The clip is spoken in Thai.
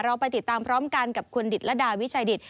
เราไปติดตามพร้อมกันกับคุณดิตรดาวิชัยดิต